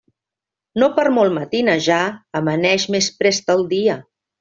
No per molt matinejar, amaneix més prest el dia.